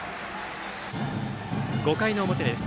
５回の表です。